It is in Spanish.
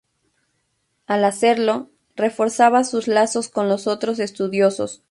Al hacerlo, reforzaba sus lazos con los otros estudiosos.